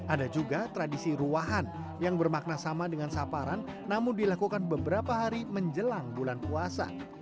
ada juga tradisi ruahan yang bermakna sama dengan saparan namun dilakukan beberapa hari menjelang bulan puasa